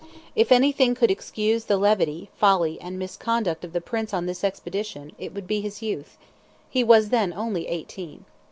If anything could excuse the levity, folly and misconduct of the Prince on this expedition, it would be his youth;—he was then only eighteen.